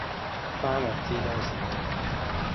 花落知多少